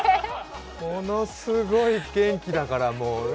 ものすごい元気だから、もう。